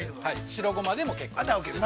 ◆白ごまでも結構です。